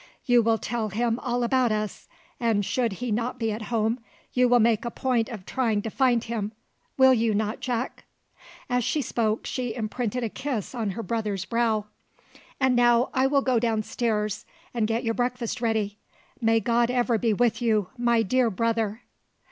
You will tell him all about us, and should he not be at home, you will make a point of trying to find him, will you not, Jack?" As she spoke, she imprinted a kiss on her brother's brow. "And now I will go down stairs and get your breakfast ready. May God ever be with you, my dear brother!"